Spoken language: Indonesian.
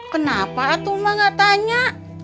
kenapa tuh mak nggak tanya